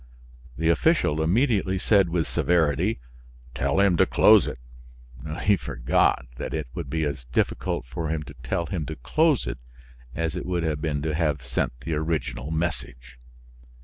The official immediately said with severity: "Tell him to close it." He forgot that it would be as difficult for him to tell him to close it, as it would have been to have sent the original message.